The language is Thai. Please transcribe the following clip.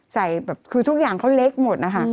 ใส่แบบคือทุกอย่างเขาเล็กหมดนะคะ